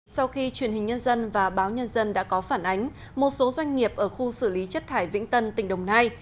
sau khi truyền hình nhân dân và báo nhân dân đã có phản ánh một số doanh nghiệp ở khu xử lý chất thải vĩnh tân tỉnh đồng nai